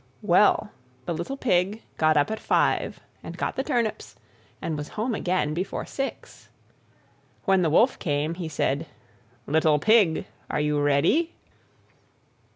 Well, the little Pig got up at five, and got the turnips and was home again before six. When the Wolf came he said, "Little Pig, are you ready?"